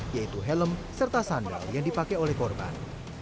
yaitu helm serta sandal yang dipakai oleh korban